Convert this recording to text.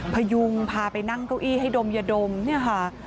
พยุงพาไปนั่งเก้าอี้ให้ดมยาดมเนี่ยค่ะ